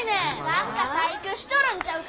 何か細工しとるんちゃうか？